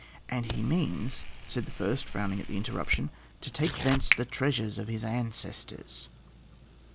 "And he means," said the first, frowning at the interruption, "to take thence the treasures of his ancestors."